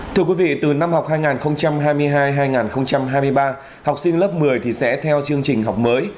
thưa quý vị từ năm học hai nghìn hai mươi hai hai nghìn hai mươi ba học sinh lớp một mươi thì sẽ theo chương trình học mới